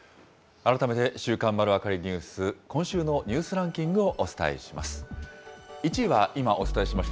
改めて週刊まるわかりニュース、今週のニュースランキングをお伝えします。